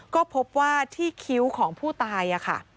ก็พบว่าที่คิ้วของผู้ตายค่ะ